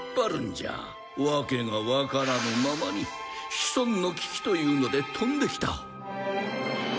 訳がわからぬままに子孫の危機と言うので飛んできた。